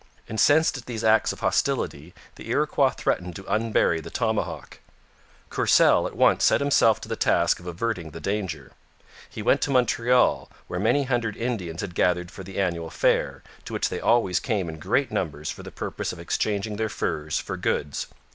Incensed at these acts of hostility, the Iroquois threatened to unbury the tomahawk. Courcelle at once set himself to the task of averting the danger. He went to Montreal, where many hundred Indians had gathered for the annual fair, to which they always came in great numbers for the purpose of exchanging their furs for goods.